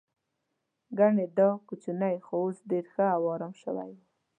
ګنې دا چینی خو اوس ډېر ښه او ارام شوی و.